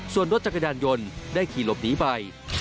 ส่วนรถจักรยานยนต์ได้ขี่หลบหนีไป